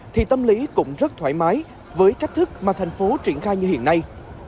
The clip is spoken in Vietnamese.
thì tâm lý cũng rất thoải mái với cách thức mà thành phố triển khai như hiện nay